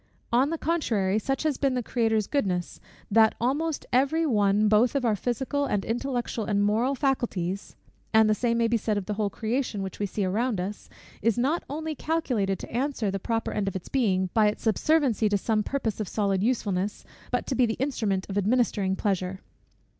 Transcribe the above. On the contrary, such has been the Creator's goodness, that almost every one, both of our physical and intellectual, and moral faculties (and the same may be said of the whole creation which we see around us) is not only calculated to answer the proper end of its being, by its subserviency to some purpose of solid usefulness, but to be the instrument of administering pleasure.